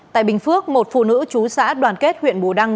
tại bình phước một phụ nữ chú xã đoàn kết huyện bù đăng